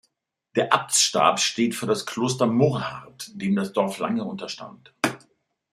Der Abtsstab steht für das Kloster Murrhardt, dem das Dorf lange unterstand.